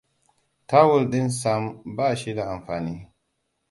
Tawul din sam ba shi da amfani.